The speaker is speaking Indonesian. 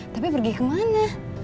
tapi pergi kemana